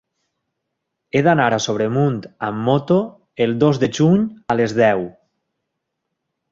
He d'anar a Sobremunt amb moto el dos de juny a les deu.